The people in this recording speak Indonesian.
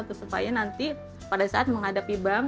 terus supaya nanti pada saat menghadapi bank